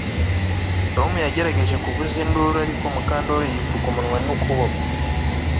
Tom yagerageje kuvuza induru ariko Mukandoli yipfuka umunwa nukuboko